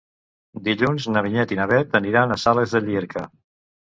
Dilluns na Vinyet i na Bet aniran a Sales de Llierca.